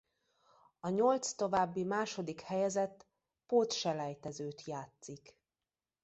A nyolc további második helyezett pótselejtezőt játszik.